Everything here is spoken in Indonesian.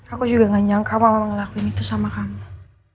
aku juga gak nyangka aku ngelakuin itu sama kamu